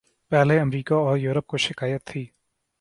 پہلے امریکہ اور یورپ کو شکایت تھی۔